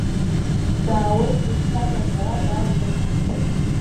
Даауеит дызҭаз аҵара далганы.